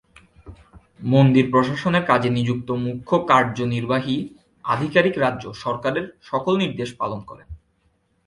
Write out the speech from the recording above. মন্দির প্রশাসনের কাজে নিযুক্ত মুখ্য কার্যনির্বাহী আধিকারিক রাজ্য সরকারের সকল নির্দেশ পালন করেন।